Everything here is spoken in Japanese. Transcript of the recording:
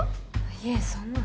いえそんな。